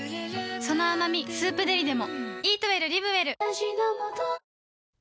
その甘み「スープデリ」でも